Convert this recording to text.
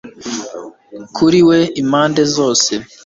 Kuri We impande zose